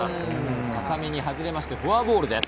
高めに外れてフォアボールです。